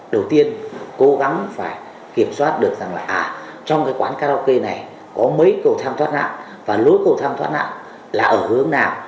đầu tiên cố gắng phải kiểm soát được rằng là à trong cái quán karaoke này có mấy cầu thang thoát nạn và lối cầu thang thoát nạn là ở hướng nào